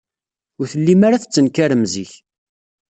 Ur tellim ara tettenkarem zik.